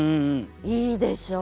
いいでしょう？